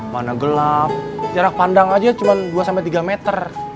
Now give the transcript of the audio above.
mana gelap jarak pandang aja cuma dua sampai tiga meter